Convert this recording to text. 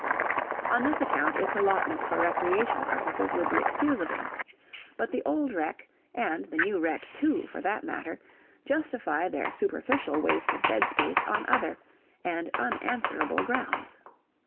On this account its allotment for recreation purposes would be excusable. But the Old Rec. and the New Rec. too, for that matter, justify their superficial waste of bed space on other and unanswerable grounds.